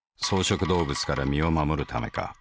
草食動物から身を護るためか。